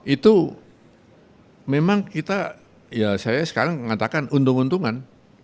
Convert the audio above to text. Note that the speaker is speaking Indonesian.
itu memang kita ya saya sekarang mengatakan untung untungan